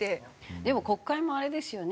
でも国会もあれですよね。